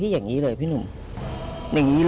เลยอย่างเงี้ยแล้วก็แบบ